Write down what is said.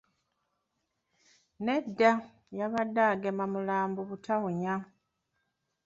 Nedda, yabadde agema mulambo butawunya.